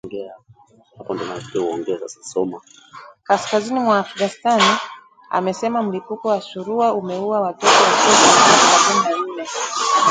kaskazini mwa Afghanistan amesema mlipuko wa surua umeua watoto wasiopungua sabini na nne